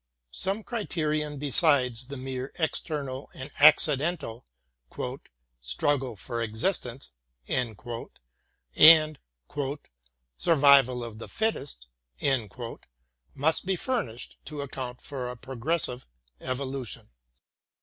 Some cri terion besides the mere external and accidental "struggle for existence" and ''survival of the fittest" must be fur nished to account for a progressive evolution.